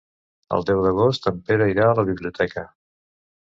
El deu d'agost en Pere irà a la biblioteca.